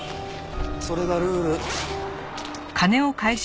それがルール。